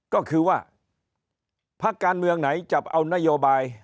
ก็คือว่าพักการเมืองไหนจะเอานโยบาย